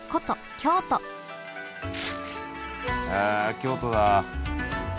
京都だ。